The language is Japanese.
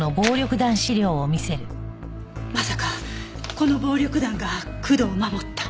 まさかこの暴力団が工藤を守った？